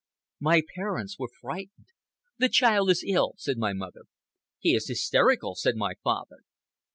My parents were frightened. "The child is ill," said my mother. "He is hysterical," said my father.